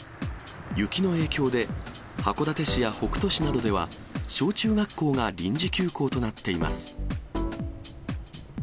雪の影響で、函館市や北斗市などでは、小中学校が臨時休校となっています。